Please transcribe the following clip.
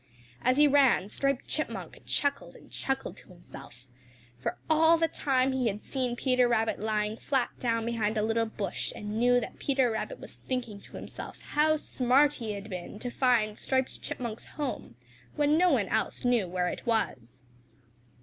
As he ran Striped Chipmunk chuckled and chuckled to himself, for all the time he had seen Peter Rabbit lying flat down behind a little bush and knew that Peter Rabbit was thinking to himself how smart he had been to find Striped Chipmunk's home when no one else knew where it was.